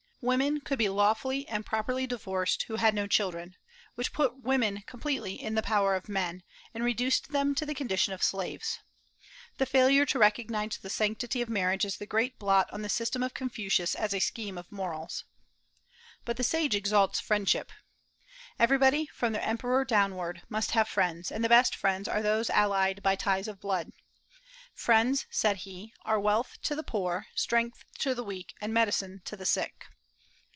Women could be lawfully and properly divorced who had no children, which put women completely in the power of men, and reduced them to the condition of slaves. The failure to recognize the sanctity of marriage is the great blot on the system of Confucius as a scheme of morals. But the sage exalts friendship. Everybody, from the Emperor downward, must have friends; and the best friends are those allied by ties of blood. "Friends," said he, "are wealth to the poor, strength to the weak, and medicine to the sick."